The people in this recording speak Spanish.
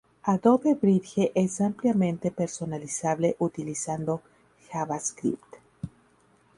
Adobe Bridge es ampliamente personalizable utilizando JavaScript.